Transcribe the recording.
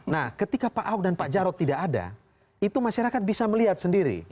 nah ketika pak ahok dan pak jarod tidak ada itu masyarakat bisa melihat sendiri